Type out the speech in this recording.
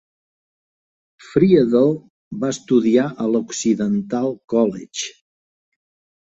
Friedle va estudiar a l'Occidental College.